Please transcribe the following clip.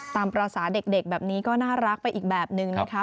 ตามภาษาเด็กแบบนี้ก็น่ารักไปอีกแบบนึงนะคะ